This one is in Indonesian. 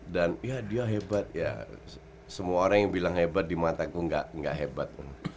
dan ya dia hebat ya semua orang yang bilang hebat dimataku gak hebat